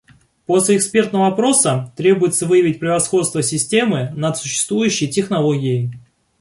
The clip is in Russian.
После экспертного опроса требуется выявить превосходство системы над существующей технологией